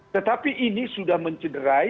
tetapi ini sudah mencederai